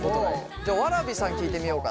じゃあわらびさん聞いてみようかな。